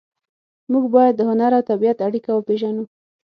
موږ باید د هنر او طبیعت اړیکه وپېژنو